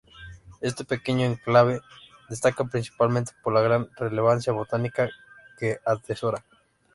Este pequeño enclave destaca principalmente por la gran relevancia botánica que atesora.